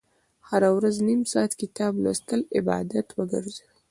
هره ورځ نیم ساعت کتاب لوستل عادت وګرځوئ.